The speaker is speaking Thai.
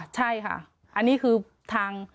ใช่ค่ะอันนี้คือทาง